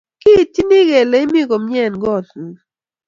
kiityini kele imi komie eng kotng'ung